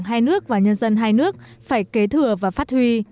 hai nước và nhân dân hai nước phải kế thừa và phát huy